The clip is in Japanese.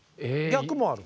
逆もある？